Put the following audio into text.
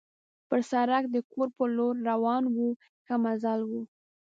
پر سړک د کور په لور روان وو، ښه مزل وو.